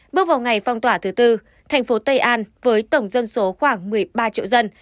bước vào ngày phong tỏa thứ tư thành phố tây an với tổng dân số khoảng một mươi ba triệu dân